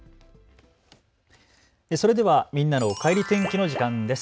それではみんなのおかえり天気の時間です。